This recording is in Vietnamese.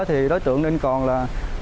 thì đối tượng đinh còn là